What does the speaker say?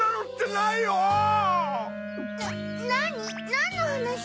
なんのはなし？